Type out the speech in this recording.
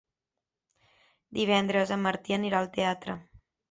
Divendres en Martí anirà al teatre.